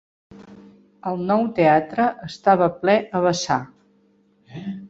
El nou teatre estava ple a vessar.